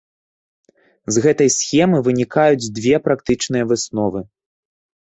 З гэтай схемы вынікаюць дзве практычныя высновы.